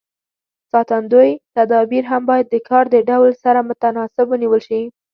ساتندوی تدابیر هم باید د کار د ډول سره متناسب ونیول شي.